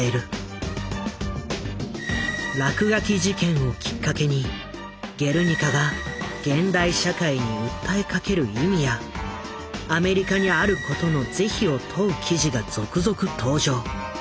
落書き事件をきっかけに「ゲルニカ」が現代社会に訴えかける意味やアメリカにあることの是非を問う記事が続々登場。